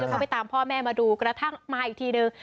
เขาไปตามพ่อแม่มาดูกระทั่งมาอีกทีหนึ่ง